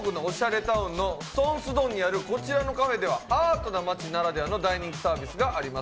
タウンのソンスドンにあるアートな街ならではの大人気サービスがあります。